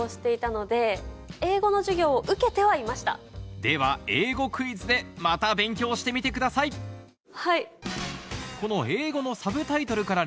では英語クイズでまた勉強してみてくださいはい。